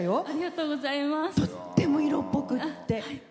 とっても、色っぽくって。